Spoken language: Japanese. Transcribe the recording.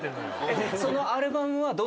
そのアルバムは。